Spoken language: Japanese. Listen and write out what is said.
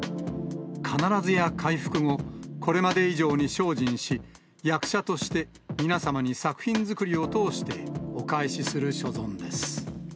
必ずや回復後、これまで以上に精進し、役者として皆様に作品づくりを通してお返しする所存です。